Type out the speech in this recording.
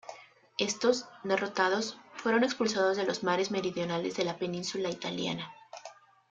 Estos, derrotados, fueron expulsados de los mares meridionales de la península italiana.